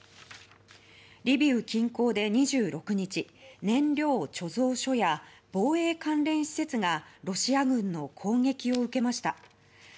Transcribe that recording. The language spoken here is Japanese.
リビウ近郊で２６日燃料貯蔵所や防衛関連施設がロシア軍の攻撃を受けました。